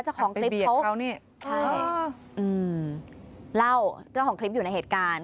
เจ้าของคลิปเขานี่ใช่อืมเล่าเจ้าของคลิปอยู่ในเหตุการณ์